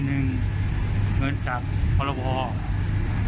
นึงเงินจากภรวษสณึก